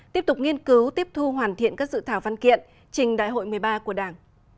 tiếp tục nghiên cứu tiếp thu hoàn thiện các dự thảo văn kiện trình đại hội một mươi ba của đảng